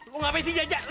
lo ngapain sih jajak